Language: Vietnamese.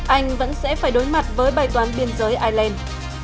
anh vẫn sẽ phải đối mặt với bài toán biên giới ireland